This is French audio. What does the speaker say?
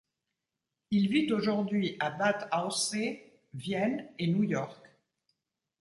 Il vit aujourd'hui à Bad Aussee, Vienne et New York.